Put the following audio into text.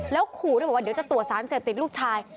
แล้วขู่ด้วยบอกว่าเดี๋ยวจะตรวจสารเสพติดลูกชาย